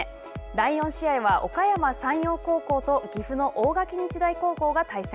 第４試合はおかやま山陽高校と岐阜の大垣日大高校が対戦。